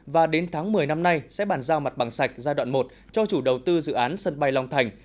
và đến tháng một mươi năm nay sẽ bàn giao mặt bằng sạch giai đoạn một cho chủ đầu tư dự án sân bay long thành